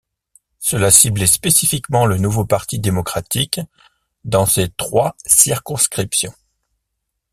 Cela ciblait spécifiquement le Nouveau Parti Démocratique dans ces trois circonscriptions.